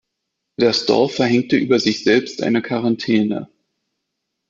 Das Dorf verhängte über sich selbst eine Quarantäne.